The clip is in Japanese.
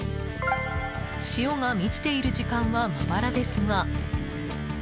潮が満ちている時間はまばらですが。